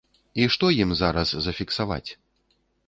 І што ім зараз зафіксаваць?